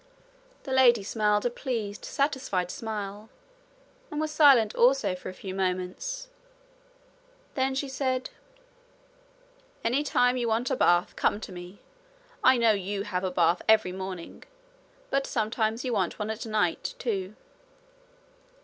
The lady smiled a pleased satisfied smile, and was silent also for a few moments. Then she said: 'Any time you want a bath, come to me. I know YOU have a bath every morning, but sometimes you want one at night, too.'